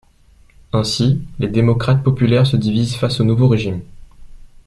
Ainsi, les démocrates populaires se divisent face au nouveau régime.